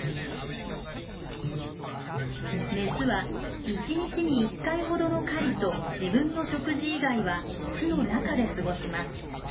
メスは１日に１回ほどの狩りと自分の食事以外は巣の中で過ごします。